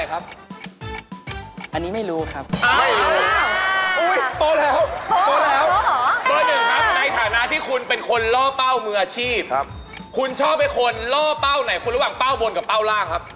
อยากให้ตรงไหนใหญ่ให้เล่นตรงนั้นหนักค่ะ